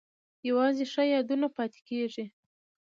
یوازې ښه یادونه پاتې کیږي